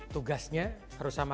tugasnya harus sama